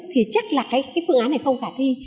thì chắc là cái phương án này không khả thi